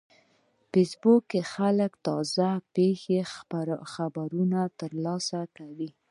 په فېسبوک کې خلک د تازه پیښو خبرونه ترلاسه کوي